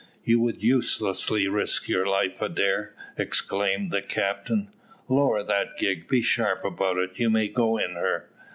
"You would uselessly risk your life, Adair!" exclaimed the captain. "Lower that gig; be sharp about it: you may go in her."